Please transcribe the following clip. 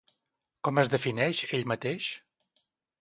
Com es defineix ell mateix?